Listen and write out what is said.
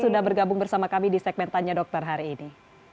sudah bergabung bersama kami di segmen tanya dokter hari ini